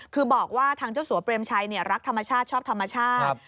คือบอกว่าทางเจ้าสัวเปรมชัยรักธรรมชาติชอบธรรมชาติ